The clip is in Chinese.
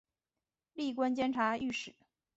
历官监察御史。